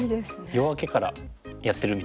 夜明けからやってるみたいな。